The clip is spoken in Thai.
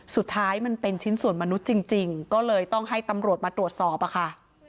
สุดท้ายมันเป็นชิ้นส่วนมนุษย์จริงก็เลยต้องให้ตำรวจมาตรวจสอบอะค่ะ